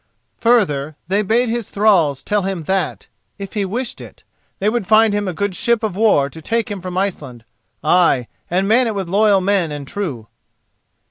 Further, they bade his thralls tell him that, if he wished it, they would find him a good ship of war to take him from Iceland—ay, and man it with loyal men and true.